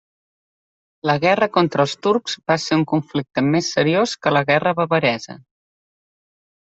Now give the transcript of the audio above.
La guerra contra els turcs va ser un conflicte més seriós que la guerra bavaresa.